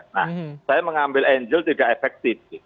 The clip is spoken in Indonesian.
nah saya mengambil angel tidak efektif